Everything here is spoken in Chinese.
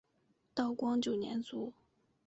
道光九年卒。